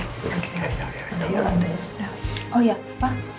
mbak yolanda sudah datang